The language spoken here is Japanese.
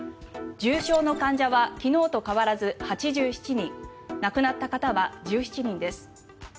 重症の患者は昨日と変わらず８７人亡くなった方は１７人です。